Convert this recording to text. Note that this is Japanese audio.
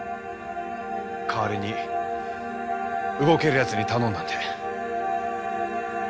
代わりに動ける奴に頼んだんで。